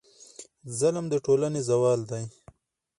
ظلم د ټولنې زوال دی.